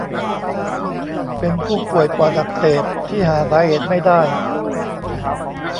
เป็นผู้ป่วยปอดอักเสบที่หาสาเหตุไม่ได้